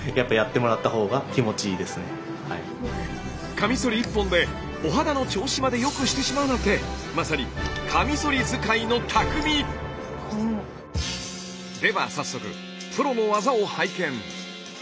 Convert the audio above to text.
カミソリ１本でお肌の調子まで良くしてしまうなんてまさにでは早速プロの技を拝見。